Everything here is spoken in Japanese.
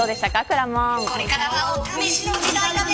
これからはお試しの時代だね。